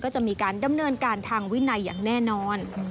ก็จะมีการดำเนินการทางวินัยอย่างแน่นอน